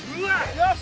よし！